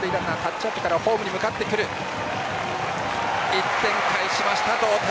１点返しました、同点！